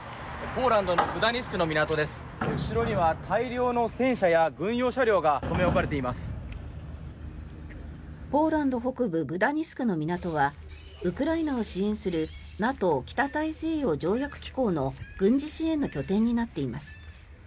ポーランド北部グダニスクの港はウクライナを支援するＮＡＴＯ・北大西洋条約機構の軍事支援の拠点になっています。